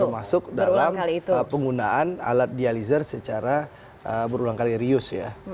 termasuk dalam penggunaan alat dialiser secara berulang kali rius ya